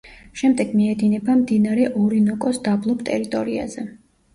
შემდეგ მიედინება მდინარე ორინოკოს დაბლობ ტერიტორიაზე.